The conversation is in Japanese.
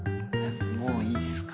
もういいですか？